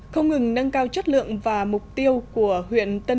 không ngừng nâng cao chất lượng và mục tiêu của huyện tân